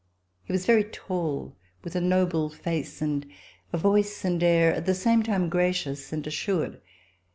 He was very tall, with a noble face, and a voice and air at the same time gracious and assured.